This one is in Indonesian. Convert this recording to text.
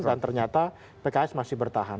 dan ternyata pks masih bertahan